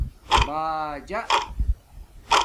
باجݳ